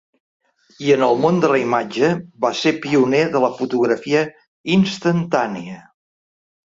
I en el món de la imatge va ser pioner de la fotografia instantània.